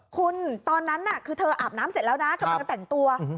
คุณตอนนั้นน่ะคือเธออาบน้ำเสร็จแล้วนะกำลังจะแต่งตัว